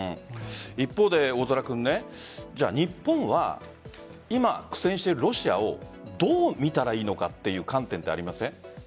一方で、大空君日本は今、苦戦しているロシアをどう見たらいいのかっていう観点ってありません？